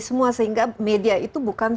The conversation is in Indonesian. semua sehingga media itu bukan